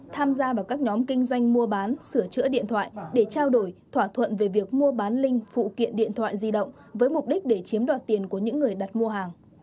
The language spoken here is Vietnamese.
tham gia vào các nhóm kinh doanh mua bán sửa chữa điện thoại để trao đổi thỏa thuận về việc mua bán linh phụ kiện điện thoại di động với mục đích để chiếm đoạt tiền của những người đặt mua hàng